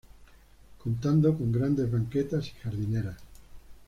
Contando con grandes banquetas y jardineras.